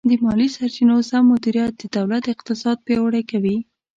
د مالي سرچینو سم مدیریت د دولت اقتصاد پیاوړی کوي.